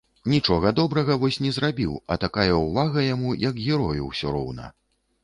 Нічога добрага вось не зрабіў, а такая ўвага яму, як герою ўсё роўна.